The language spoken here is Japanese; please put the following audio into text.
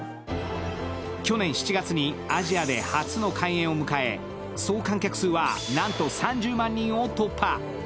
去年７月にアジアで初の開演を迎え総観客数は、なんと３０万人を突破。